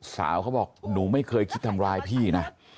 เขาบอกหนูไม่เคยคิดทำร้ายพี่นะ